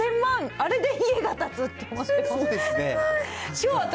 あれで家が建つって思いました。